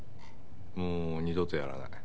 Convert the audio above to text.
もう二度とやらない。